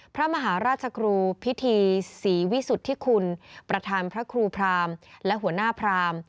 พระมหาราชครูพิธีศรีวิสุทธิคุณประธานพระครูพรามและหัวหน้าพราม